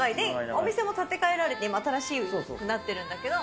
お店も建て替えられて今新しくなってるんだけど。